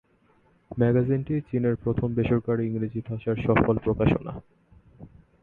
ম্যাগাজিনটি চীনের প্রথম বেসরকারী ইংরেজি ভাষার সফল প্রকাশনা।